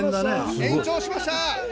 延長しました。